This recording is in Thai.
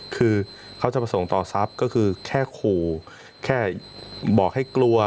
คือเขาจะประสงค์ต่อทรัพย์ก็คือแค่ขู่แค่บอกให้กลัว